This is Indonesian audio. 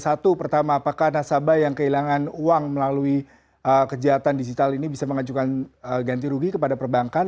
satu pertama apakah nasabah yang kehilangan uang melalui kejahatan digital ini bisa mengajukan ganti rugi kepada perbankan